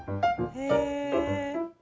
へえ。